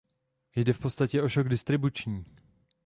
Jde v podstatě o šok distribuční.